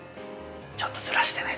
ちょっとずらしてね。